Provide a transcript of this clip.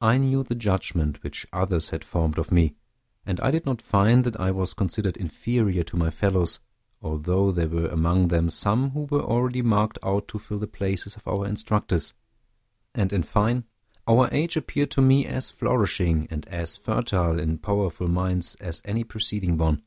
I knew the judgment which others had formed of me; and I did not find that I was considered inferior to my fellows, although there were among them some who were already marked out to fill the places of our instructors. And, in fine, our age appeared to me as flourishing, and as fertile in powerful minds as any preceding one.